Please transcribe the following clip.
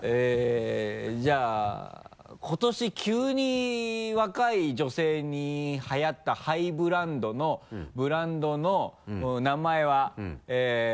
じゃあ今年急に若い女性にはやったハイブランドのブランドの名前は？